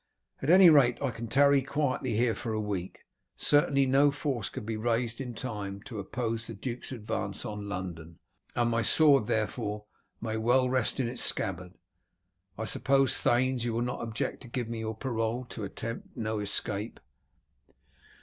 At any rate I can tarry quietly here for a week. Certainly no force can be raised in time to oppose the duke's advance on London, and my sword therefore may well rest in its scabbard. I suppose, thanes, you will not object to give me your parole to attempt no escape?"